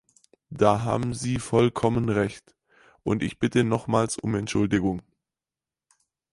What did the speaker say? Da haben Sie vollkommen Recht, und ich bitte nochmals um Entschuldigung.